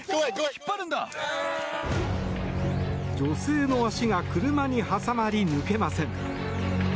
女性の足が車に挟まり抜けません。